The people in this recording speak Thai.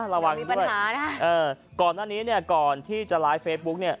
ระวังด้วยมีปัญหานะคะเออก่อนตั้งนี้เนี่ยก่อนที่จะไลน์เฟซบุ๊กเนี่ย